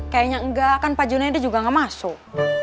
kayaknya enggak kan pajun edi juga gak masuk